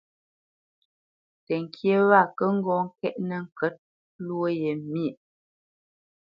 Təŋkyé wa kə ŋgɔ́ ŋkɛ̀ʼnə ŋkə̌t lwó ye myéʼ.